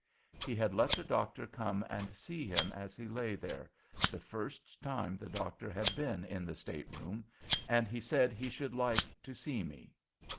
He had let the doctor come and see him as he lay there, the first time the doctor had been in the state room, and he said he should like to see me.